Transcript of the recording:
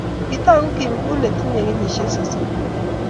Kitaguu Kim Kuni tinyei kenyishiek sosom